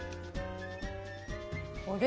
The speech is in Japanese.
あれ？